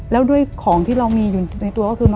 แล้วด้วยของที่เรามีอยู่ในตัวก็คือ